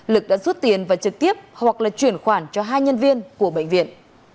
lực đã rút tiền và trực tiếp hoặc là chuyển khoản cho hai nhân viên của bệnh viện